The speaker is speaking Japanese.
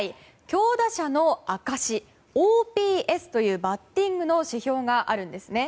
強打者の証しＯＰＳというバッティングの指標があるんですね。